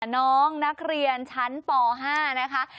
น้องนักเรียนชั้นป๕นะคะ